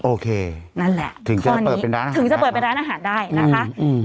โอเคนั่นแหละถึงจะเปิดเป็นร้านอาหารได้นะคะอืมอืม